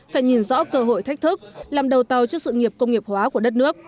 phải nhìn rõ cơ hội thách thức làm đầu tàu cho sự nghiệp công nghiệp hóa của đất nước